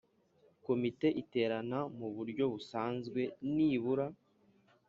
Komite iterana mu buryo busanzwe nibura